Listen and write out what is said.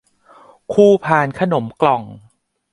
คู่พานขนมกล่อง